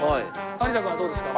有田君はどうですか？